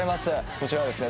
こちらはですね